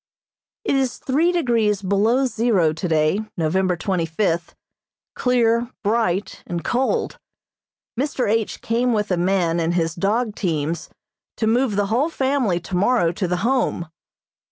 It is three degrees below zero today, November twenty fifth, clear, bright and cold. Mr. H. came with a man and his dog teams to move the whole family tomorrow to the Home.